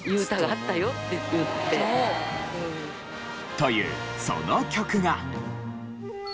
というその曲が。